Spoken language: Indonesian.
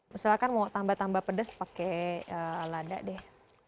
misalkan mau tambah tambah pedas pakai lada deh